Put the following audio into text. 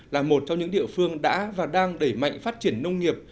là một trong những địa phương đã và đang đẩy mạnh phát triển nông nghiệp